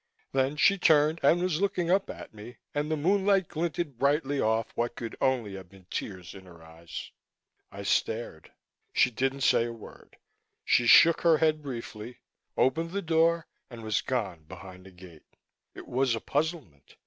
Then she turned and was looking up at me, and the moonlight glinted brightly off what could only have been tears in her eyes. I stared. She didn't say a word. She shook her head briefly, opened the door and was gone behind the gate. It was a puzzlement.